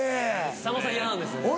さんまさん嫌なんですよね。